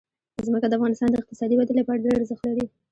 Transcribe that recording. ځمکه د افغانستان د اقتصادي ودې لپاره ډېر ارزښت لري.